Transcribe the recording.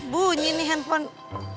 bunyi nih handphone